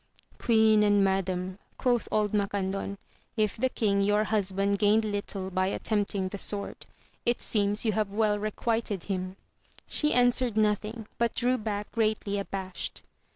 Queen and madam, quoth old Macandon, if the king your husband gained little by attempting the sword, it seems you have well requited him ; she answered nothing, but drew back greatly abashed.